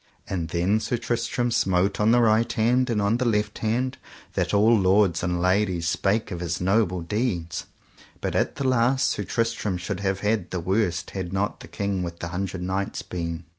And then Sir Tristram smote on the right hand and on the left hand, that all lords and ladies spake of his noble deeds. But at the last Sir Tristram should have had the worse had not the King with the Hundred Knights been.